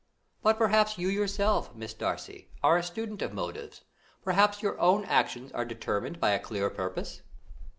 But perhaps you yourself, Miss Darcy, are a student of motives perhaps your own actions are determined by a clear purpose?"